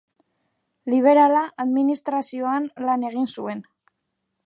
Liberala, administrazioan lan egin zuen.